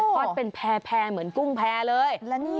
อดเป็นแพร่เหมือนกุ้งแพร่เลย